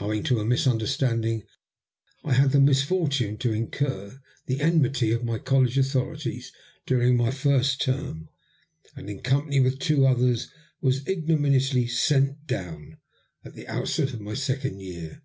Owing to a misunderstanding I had the misfortune to incur the enmity of my college authorities during my first term, and, in company with two others, was ignominiously '' sent down " at the outset of my second year.